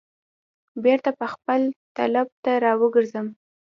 بیرته به خپل طلب ته را وګرځم.